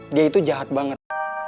dia itu jahat banget